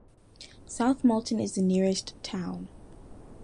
South Molton is the nearest town.